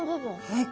はい。